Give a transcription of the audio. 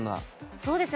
そうですね